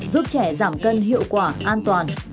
giúp trẻ giảm cân hiệu quả an toàn